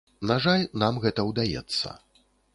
На жаль, нам гэта ўдаецца.